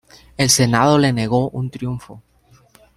El Senado le negó un triunfo.